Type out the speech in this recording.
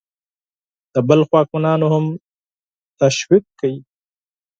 د بلخ واکمنانو هم تشویق کړ.